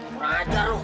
kurang ajar lu